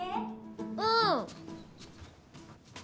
うん。